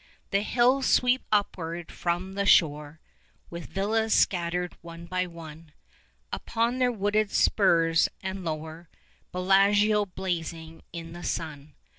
The hills sweep upward from the shore, 25 With villas scattered one by one Upon their wooded spurs, and lower Bellagio blazing in the sun.